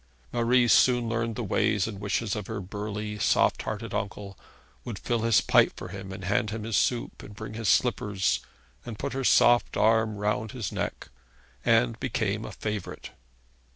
Marie soon learned the ways and wishes of her burly, soft hearted uncle; would fill his pipe for him, and hand him his soup, and bring his slippers, and put her soft arm round his neck, and became a favourite.